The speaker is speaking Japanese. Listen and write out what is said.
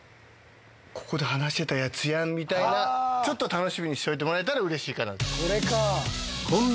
ここで話してたやつやんみたいな、ちょっと楽しみにしといてもらえたら、うれしいかな。